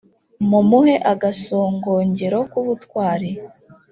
mumuhe agasogongero k' ubutwari;